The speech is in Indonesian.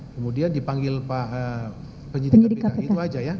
kemudian dipanggil pak penyidik kpk itu aja ya